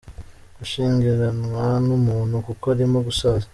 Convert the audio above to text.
Gushingiranwa n’ umuntu kuko urimo gusaza.